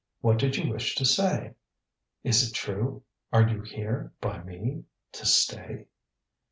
What did you wish to say?" "Is it true? Are you here, by me, to stay?"